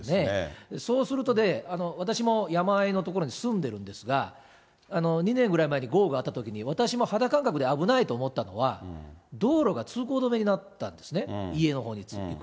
そうするとね、私も山あいの所に住んでるんですが、２年ぐらい前に豪雨があったときに、私も肌感覚で危ないと思ったのは、道路が通行止めになったんですね、家のほうに続く。